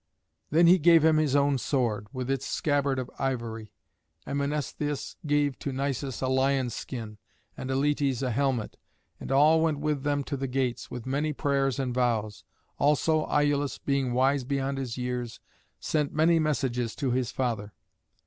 Then he gave him his own sword, with its scabbard of ivory, and Mnestheus gave to Nisus a lion's skin, and Aletes a helmet. And all went with them to the gates, with many prayers and vows; also Iülus, being wise beyond his years, sent many messages to his father.